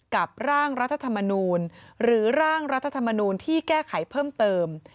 กับร่างรัฐธรรมนูลหรือร่างรัฐธรรมนูลที่แก้ไขเพิ่มเติม